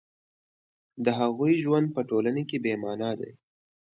د هغوی ژوند په ټولنه کې بې مانا دی